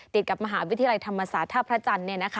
ติดกับมหาวิทยาลัยธรรมศาสตร์ท่าพระจันทร์